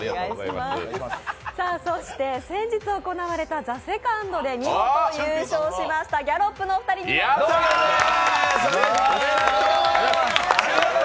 そして先日行われた「ＴＨＥＳＥＣＯＮＤ」で見事優勝しましたギャロップのお二人にもお越しいただきました。